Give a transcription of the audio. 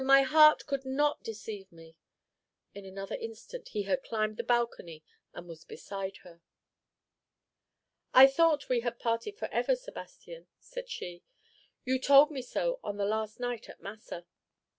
My heart could not deceive me!" In another instant he had climbed the balcony and was beside her. "I thought we had parted forever, Sebastian," said she; "you told me so on the last night at Massa."